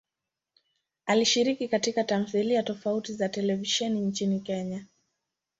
Alishiriki katika tamthilia tofauti za televisheni nchini Kenya.